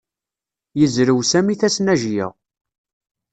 Yezrew Sami tasnajya.